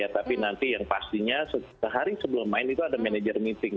tapi nanti yang pastinya sehari sebelum main itu ada manajer meeting